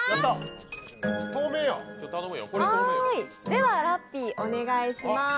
では、ラッピー、お願いします。